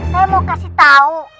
saya mau kasih tau